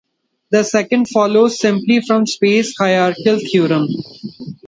The second follows simply from the space hierarchy theorem.